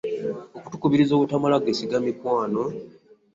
Okutukubiriza obutamala geesiga mikwano.